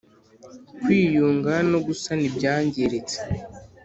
kwiyunga no gusana ibyangiritse